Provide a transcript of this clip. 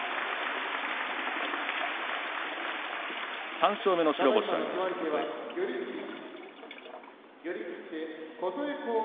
３勝目の白星を挙げました琴恵光。